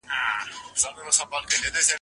ته ډېوه را واخله ماتې هم راکه